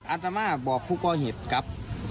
อาตมาบอกผู้ก่อเหตุครับ